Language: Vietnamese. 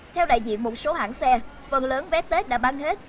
theo đại diện một số hãng xe phần lớn vé tết đã bán hết